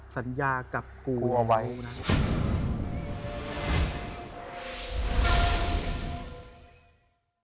สัญญากับกูนะครับ